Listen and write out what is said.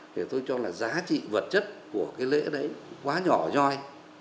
thì tôi cho là giá trị vật chất của cái lễ đấy quá nhỏ nhoi